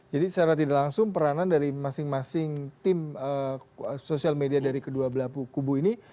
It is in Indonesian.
jadi secara tidak langsung peranan dari masing masing tim sosial media dari kedua belah kubu ini